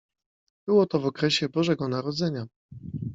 Było to w okresie Bożego Narodzenia.